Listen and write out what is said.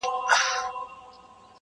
غازي دغه یې وخت دی د غزا په کرنتین کي.!